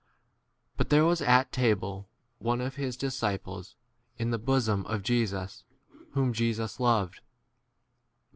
But there was at table one of his dis ciples, in the bosom of Jesus, 24 whom Jesus loved.